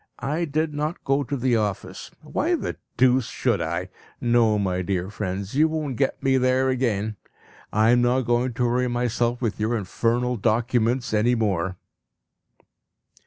I did not go to the office. Why the deuce should I? No, my dear friends, you won't get me there again! I am not going to worry myself with your infernal documents any more.